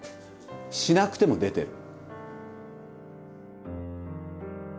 しなくても出てる。